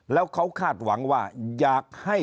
แล้วเขาคาดหวังว่าอยากให้